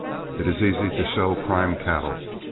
It is easy to show prime cattle.